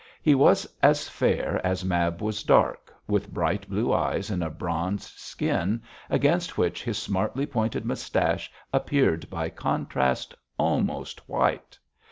He was as fair as Mab was dark, with bright blue eyes and a bronzed skin, against which his smartly pointed moustache appeared by contrast almost white.